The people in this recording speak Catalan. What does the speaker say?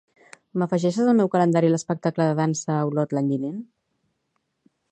M'afegeixes al meu calendari l'espectacle de dansa a Olot l'any vinent?